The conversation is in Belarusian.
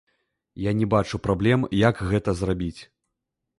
Я не бачу праблем, як гэта зрабіць.